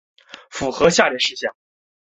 符合下列事项